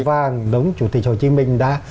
vâng đúng chủ tịch hồ chí minh đã